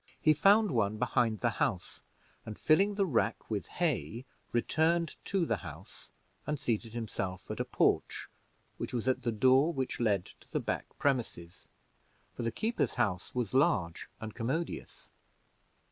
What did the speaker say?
He found one behind the house, and filling the rack with hay, returned to the house and seated himself at a porch which was at the door which led to the back premises, for the keeper's house was large and commodious.